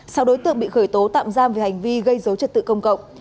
sau đối tượng bị khởi tố tạm giam vì hành vi gây dấu trật tự công cộng